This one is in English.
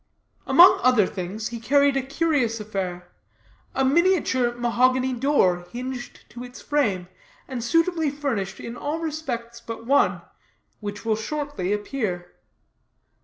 Among other things, he carried a curious affair a miniature mahogany door, hinged to its frame, and suitably furnished in all respects but one, which will shortly appear.